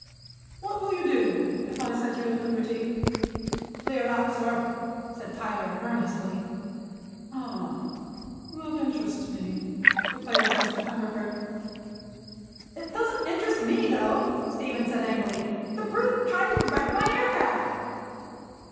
"What will you do if I set you at liberty?" "Clear out, sir," said Tyler earnestly. "Ah; that interests me," declared Mr. Cumberford. "It doesn't interest me, though," Stephen said angrily. "The brute tried to wreck my aircraft."